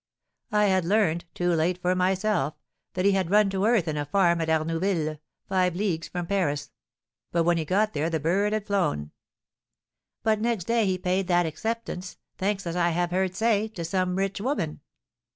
I had learned (too late for myself) that he had 'run to earth' in a farm at Arnouville, five leagues from Paris; but when we got there the bird had flown!" "But next day he paid that acceptance, thanks, as I have heard say, to some rich woman!"